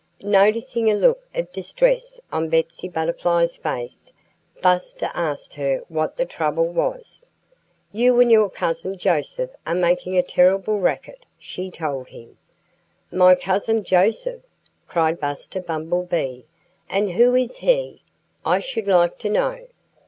Noticing a look of distress on Betsy Butterfly's face, Buster asked her what the trouble was. "You and your cousin Joseph are making a terrible racket," she told him. "My cousin Joseph!" cried Buster Bumblebee. "And who is he, I should like to know?